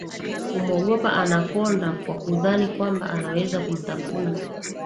humwogopa Anacconda kwa kudhani kwamba anaweza kumtafuna